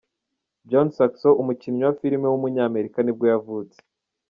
John Saxon, umukinnyi wa film w’umunyamerika nibwo yavutse.